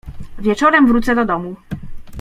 "Wieczorem wrócę do domu."